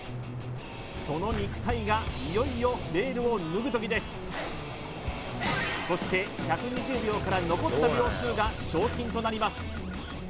その肉体がいよいよベールを脱ぐ時ですそして１２０秒から残った秒数が賞金となります